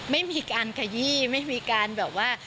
ไม่มีการขยี้ไม่มีการแบบว่า